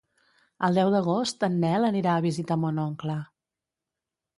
El deu d'agost en Nel anirà a visitar mon oncle.